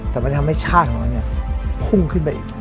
แต่มันทำให้ชาติของเราพุ่งขึ้นไปอีก